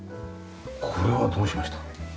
これはどうしました？